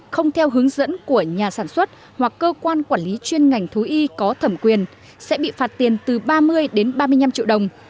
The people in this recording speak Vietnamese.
không theo hướng dẫn của nhà sản xuất hoặc cơ quan quản lý chuyên ngành thú y có thẩm quyền sẽ bị phạt tiền từ ba mươi đến ba mươi năm triệu đồng